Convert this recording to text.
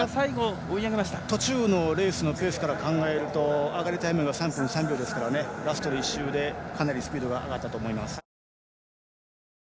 途中のレースのペースから考えると上がりタイムが３分３秒ですからラスト１周でかなりスピードが上がったと思います。